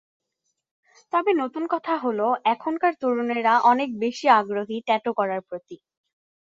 তবে নতুন কথা হলো, এখনকার তরুণেরা অনেক বেশি আগ্রহী ট্যাটু করার প্রতি।